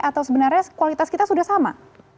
atau sebenarnya kualitas kita sudah sama